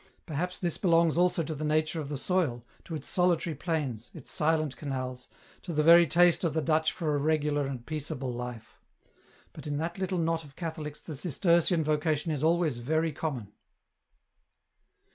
Perhaps this belongs also to the nature of the soil, to its solitary plains, its silent canals, to the very taste of the Dutch for a regular and peaceable life ; but in that little knot of Catholics the Cistercian vocation is always very common."